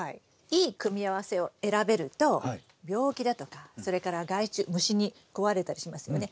いい組み合わせを選べると病気だとかそれから害虫虫に食われたりしますよね